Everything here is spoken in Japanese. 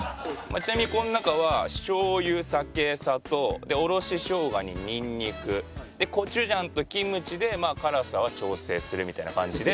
ちなみにこの中は醤油酒砂糖おろし生姜にニンニクでコチュジャンとキムチでまあ辛さは調整するみたいな感じで。